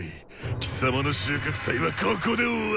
貴様の収穫祭はここで終わりだ！